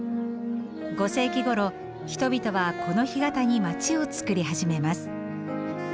５世紀ごろ人々はこの干潟に街をつくり始めます。